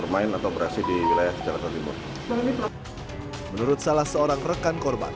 menurut salah seorang rekan rekan